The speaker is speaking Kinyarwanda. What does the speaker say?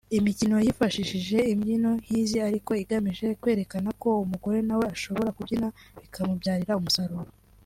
Imikino yifashishije imbyino nk’izi ariko igamije kwerekana ko umugore nawe ashobora kubyina bikamubyarira umusaruro